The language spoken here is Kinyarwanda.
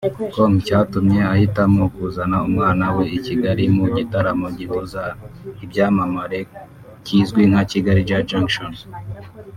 com icyatumye ahitamo kuzana umwana we i Kigali mu gitaramo gihuza ibyamamare kizwi nka Kigali Jazz Junction